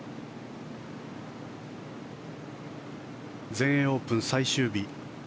全英オープン最終日。